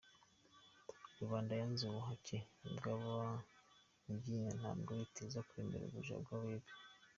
Rubanda yanze ubuhake bw’Abanyiginya, ntabwo iteze kwemera ubuja bw’Abega.